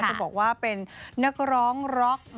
จะบอกว่าเป็นนักร้องร็อก